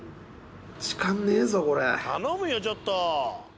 頼むよちょっと。